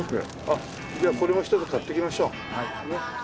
じゃあこれも１つ買ってきましょう。